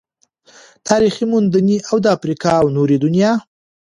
تاريخي موندنې او د افريقا او نورې دنيا